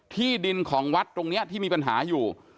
ที่ดินของวัดตรงนี้ที่มีปัญหาอยู่